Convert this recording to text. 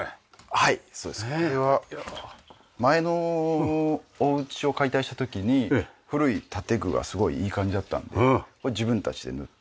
はいそうです。これは前のお家を解体した時に古い建具がすごいいい感じだったのでこれ自分たちで塗って。